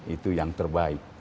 itu yang terbaik